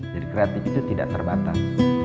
jadi kreatif itu tidak terbatas